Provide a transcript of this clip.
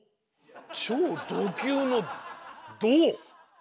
超ド級のド⁉